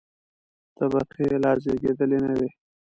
طبقې لا زېږېدلې نه وې.